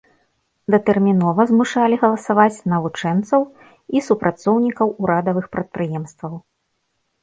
Датэрмінова змушалі галасаваць навучэнцаў і супрацоўнікаў урадавых прадпрыемстваў.